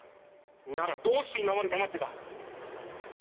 ならどうして今まで黙ってた？